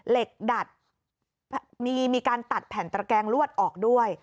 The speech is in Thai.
เหล็กดัดมีการตัดแผ่นตระแกงลวดออกด้วย